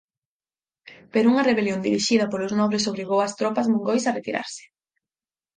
Pero unha rebelión dirixida polos nobres obrigou ás tropas mongois a retirarse.